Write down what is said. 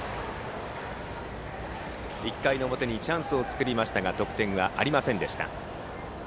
１回の表チャンスを作りましたが得点はありませんでした。